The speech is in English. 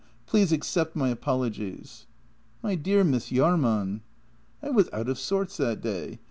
Please accept my apologies." "My dear Miss Jahrman! "" I was out of sorts that day.